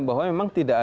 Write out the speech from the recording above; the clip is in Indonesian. bahwa memang tidak ada